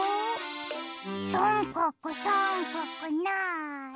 さんかくさんかくなに？